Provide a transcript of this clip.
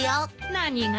何が？